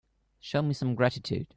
Show me some gratitude.